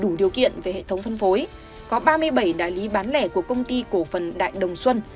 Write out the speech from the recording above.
trong khi trước đó kết luận về hệ thống phân phối có ba mươi bảy đại lý bán lẻ của công ty cổ phần đại đồng xuân